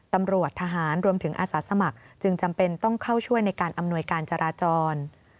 ตำรวจทหารรวมถึงอาสาสมัครจึงจำเป็นต้องเข้าช่วยในการอำนวยการจราจร